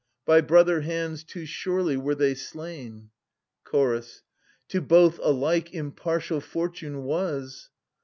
By brother hands too surely were they slain. Chorus. To both alike impartial fortune was